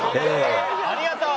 ありがとう！